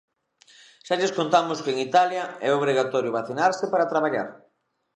Xa lles contamos que en Italia é obrigatorio vacinarse para traballar.